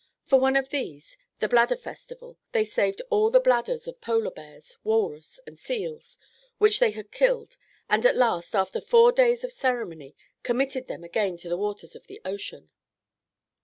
For one of these, the "Bladder Festival," they saved all the bladders of polar bears, walrus and seals which they had killed, and at last, after four days of ceremony, committed them again to the waters of the ocean.